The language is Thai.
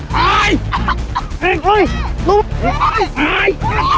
พี่แม่งสร้างภาพพี่